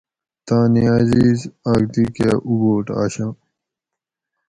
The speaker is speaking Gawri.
تانی عزیز اۤک دی کہ اُبُوٹ آشاں